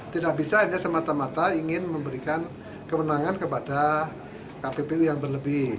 tidak bisa hanya semata mata ingin memberikan kewenangan kepada kppu yang berlebih